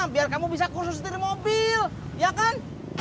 biar kamu bisa kursus dari mobil ya kan